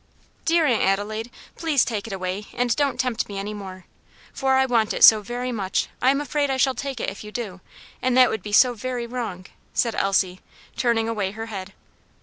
"Dear Aunt Adelaide, please take it away and don't tempt me any more, for I want it so very much I am afraid I shall take it if you do, and that would be so very wrong," said Elsie, turning away her head.